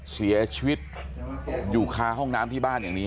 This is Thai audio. เสียชีวิตอยู่คาห้องน้ำที่บ้านอย่างนี้